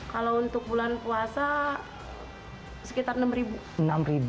kalau untuk bulan puasa sekitar enam ribu